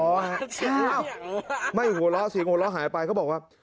อ้าวไม่หัวเราะเสียงหัวเราะหายไปเขาบอกว่า